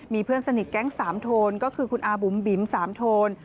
มีเพื่อนสนิทแก๊งสามโทนก็คือคุณอาบุ๋มบิ๋มสามโทน